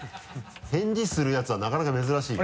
返事するやつはなかなか珍しいよ。